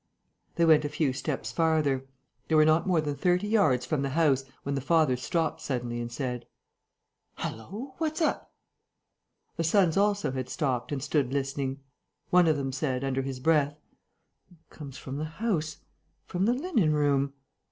They went a few steps farther. They were not more than thirty yards from the house, when the father stopped suddenly and said: "Hullo! What's up?" The sons also had stopped and stood listening. One of them said, under his breath: "It comes from the house ... from the linen room...."